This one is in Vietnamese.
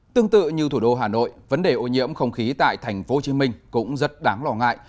tương tự như thủ đô hà nội vấn đề ô nhiễm không khí tại tp hcm cũng rất đáng lo ngại